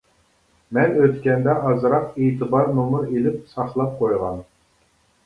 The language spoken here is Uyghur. مەن ئۆتكەندە ئازراق ئېتىبار نومۇر ئېلىپ ساقلاپ قويغان.